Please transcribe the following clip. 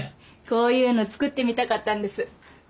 こういうの作ってみたかったんです。